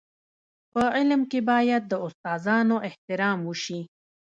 په علم کي باید د استادانو احترام وسي.